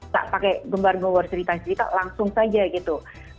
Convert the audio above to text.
tak pakai gembar gembar cerita cerita langsung saja gitu